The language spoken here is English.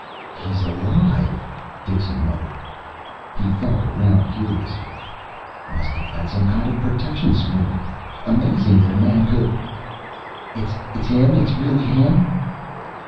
"He's alive!" Dixon muttered. He felt around curiously. "Must have had some kind of protection screen. Amazing that a man could " "It's him? It's really him?"